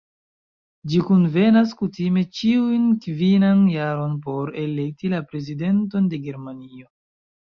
Ĝi kunvenas kutime ĉiun kvinan jaron por elekti la Prezidenton de Germanio.